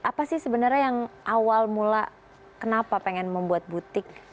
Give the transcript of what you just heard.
apa sih sebenarnya yang awal mula kenapa pengen membuat butik